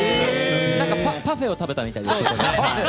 パフェを食べたみたいです。